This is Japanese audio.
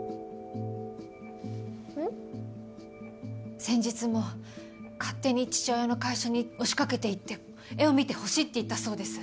先日も勝手に父親の会社に押しかけていって絵を見てほしいって言ったそうです。